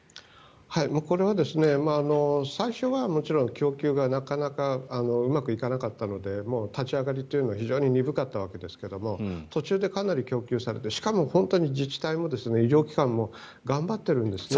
これは最初はもちろん供給がなかなかうまくいかなかったので立ち上がりというのは非常に鈍かったわけですが途中でかなり供給されてしかも本当に自治体も医療機関も頑張っているんですね。